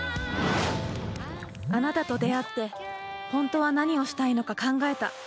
あなたと出会って本当は何をしたいのか考えた。